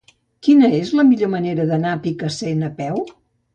Quina és la millor manera d'anar a Picassent a peu?